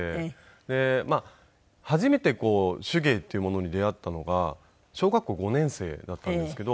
でまあ初めて手芸っていうものに出会ったのが小学校５年生だったんですけど。